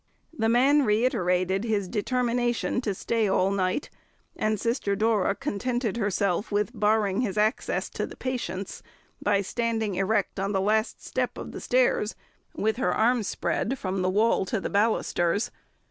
The man reiterated his determination to stay all night, and Sister Dora contented herself with barring his access to the patients by standing erect on the last step of the stairs with her arms spread from the wall to the balusters.